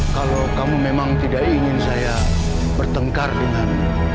kalau kamu memang tidak ingin saya bertengkar dengan